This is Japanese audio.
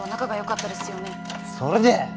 それで？